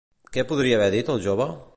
Què podria haver escrit el jove?